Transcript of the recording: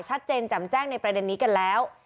แจ่มแจ้งในประเด็นนี้กันแล้ว